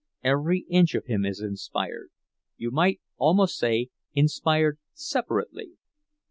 Every inch of him is inspired—you might almost say inspired separately.